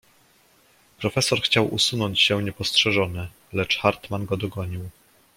"Profesor chciał usunąć się niepostrzeżony, lecz Hartmann go dogonił."